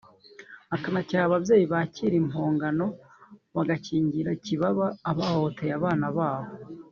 akanacyaha ababyeyi bakira impongano bagakingira ikibaba abahohoteye abakobwa babo